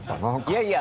いやいや。